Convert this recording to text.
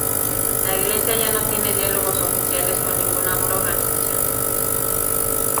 La iglesia ya no tiene diálogos oficiales con ninguna otra organización.